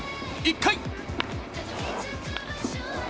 １回！